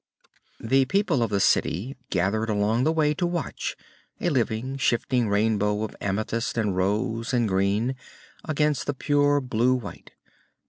The people of the city gathered along the way to watch, a living, shifting rainbow of amethyst and rose and green, against the pure blue white.